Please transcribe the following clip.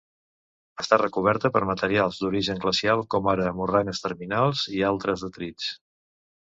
Està recoberta per materials d'origen glacial, com ara morrenes terminals i altres detrits.